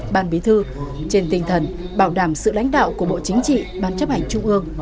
ban bí thư trên tinh thần bảo đảm sự lãnh đạo của bộ chính trị ban chấp hành trung ương